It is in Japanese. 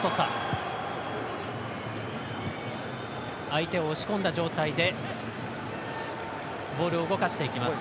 相手を押し込んだ状態でボールを動かしていきます。